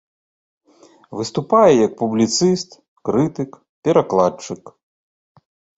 Выступае як публіцыст, крытык, перакладчык.